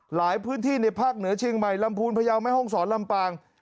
หลายพื้นที่ในภาคเหนือเชียงใหม่ลำพูนพยาวแม่ห้องศรลำปาง